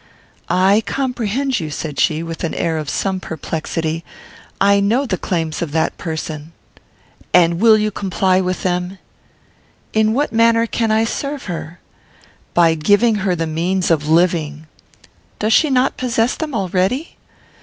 "I comprehend you," said she, with an air of some perplexity. "I know the claims of that person." "And will you comply with them?" "In what manner can I serve her?" "By giving her the means of living." "Does she not possess them already?"